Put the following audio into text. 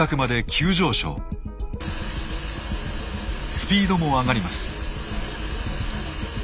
スピードも上がります。